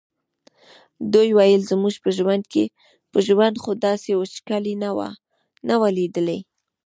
دوی ویل زموږ په ژوند خو داسې وچکالي نه وه لیدلې.